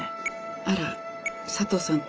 あら佐藤さん